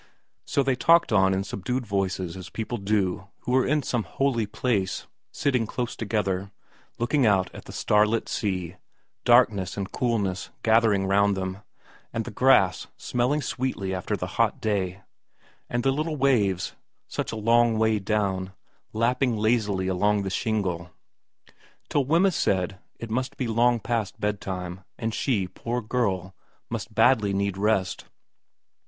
So they talked on in subdued voices as people do who are in some holy place, sitting close together, looking out at the starlit sea, darkness and coolness gathering round them, and the grass smelling sweetly after the hot day, and the little waves, such a long way down, lapping lazily along the shingle, till Wemyss said it must be long past bedtime, and she, poor girl, must badly need rest.